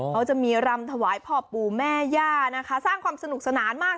เขาจะมีรำถวายพ่อปู่แม่ย่านะคะสร้างความสนุกสนานมาก